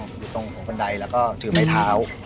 อยู่ตรงหัวบันไดแล้วก็ถือไม้เท้า